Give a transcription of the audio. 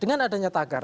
dengan adanya tagar